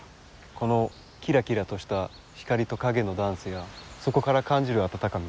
このきらきらとした光と影のダンスやそこから感じる温かみ。